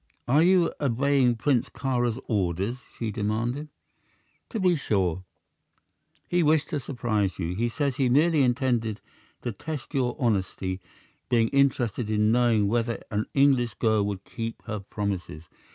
"Are you obeying Prince Kāra's orders?" she demanded. "To be sure! He wished to surprise you. He says he merely intended to test your honesty, being interested in knowing whether an English girl would keep her promises.